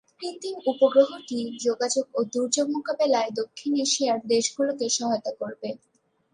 কৃত্রিম উপগ্রহটি যোগাযোগ ও দুর্যোগ মোকাবেলায় দক্ষিণ এশিয়ার দেশগুলোকে সহায়তা করবে।